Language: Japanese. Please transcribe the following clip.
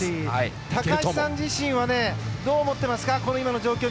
高橋さん自身はどう思っていますか？